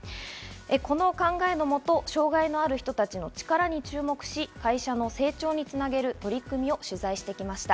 この考えのもと、障害のある人たちのチカラに注目し、会社の成長につなげる取り組みを取材してきました。